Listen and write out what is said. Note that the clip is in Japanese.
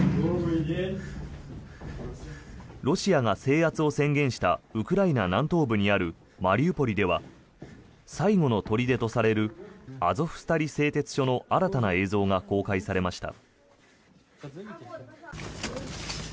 ロシアが制圧を宣言したウクライナ南東部にあるマリウポリでは最後の砦とされるアゾフスタリ製鉄所の新たな映像が公開されました。